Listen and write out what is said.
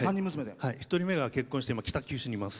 １人目が結婚して北九州にいます。